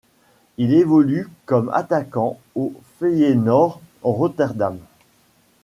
Il évolue comme attaquant au Feyenoord Rotterdam.